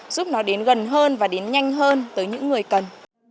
giúp nó đến gần hơn và đến nhanh hơn tới những người cần